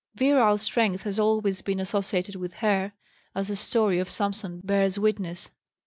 Virile strength has always been associated with hair, as the story of Samson bears witness.